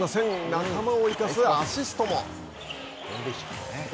仲間を生かすアシストも。